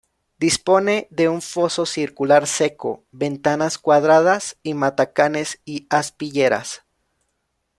Dispone de un foso circular seco, ventanas cuadradas y matacanes y aspilleras.